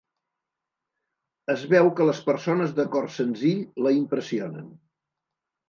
Es veu que les persones de cor senzill la impressionen.